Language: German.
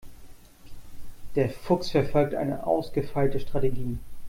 Der Fuchs verfolgt eine ausgefeilte Strategie.